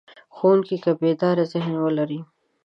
ښوونکی که بیداره ذهن ولري.